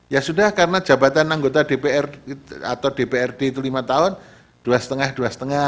ya sudah karena jabatan anggota dpr atau dprd itu lima tahun dua lima dua lima